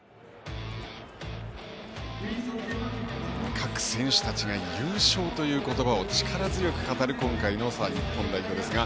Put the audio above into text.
各選手たちが優勝という言葉を力強く語る今回の日本代表ですが。